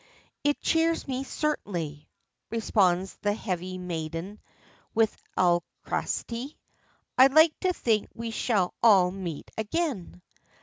"It cheers me certainly," responds that heavy maiden with alacrity. "I like to think we shall all meet again."